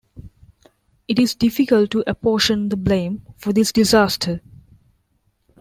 It is difficult to apportion the blame for this disaster.